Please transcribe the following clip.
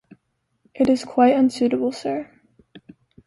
It is quite unsuitable, sir.